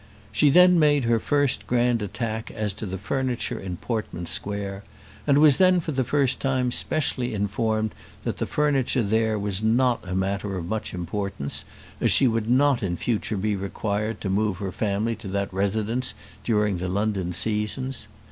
She then made her first grand attack as to the furniture in Portman Square; and was then for the first time specially informed that the furniture there was not matter of much importance, as she would not in future be required to move her family to that residence during the London seasons.